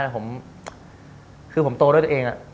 ผมคือผมโตด้วยตัวเองอะ